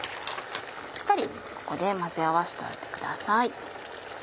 しっかりここで混ぜ合わせておいてください。